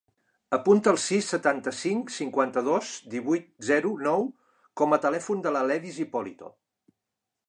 Apunta el sis, setanta-cinc, cinquanta-dos, divuit, zero, nou com a telèfon de l'Aledis Hipolito.